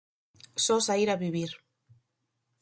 Só saír a vivir.